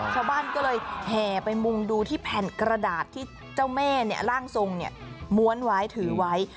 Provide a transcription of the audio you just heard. ชาวบ้านก็เลยแห่ไปมุงดูที่แผ่นกระดาษที่เจ้าแม่ร่างทรงม้วนไว้ถือไว้